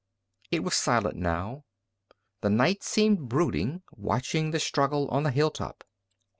It was silent now. The night seemed brooding, watching the struggle on the hilltop.